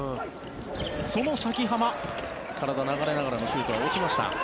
その崎濱体が流れながらのシュートは落ちました。